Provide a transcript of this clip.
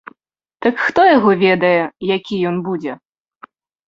Так хто яго ведае, які ён будзе.